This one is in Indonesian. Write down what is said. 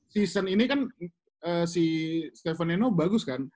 season ini kan si stefan nenno bagus kan